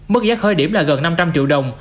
mức giá khởi điểm là gần năm trăm linh triệu đồng